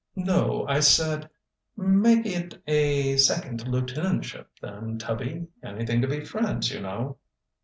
"No, I said " "Make it a second lieutenantship, then, Tubby. Anything to be friends, you know."